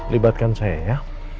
libatkan saya ya